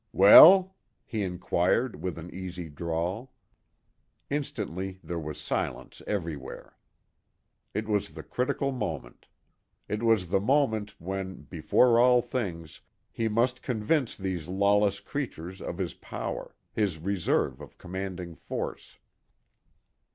"Well?" he inquired, with an easy drawl. Instantly there was silence everywhere. It was the critical moment. It was the moment when, before all things, he must convince these lawless creatures of his power, his reserve of commanding force.